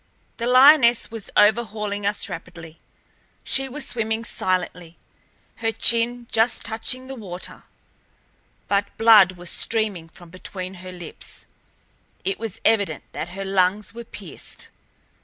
The lioness was overhauling us rapidly. She was swimming silently, her chin just touching the water, but blood was streaming from between her lips. It was evident that her lungs were pierced.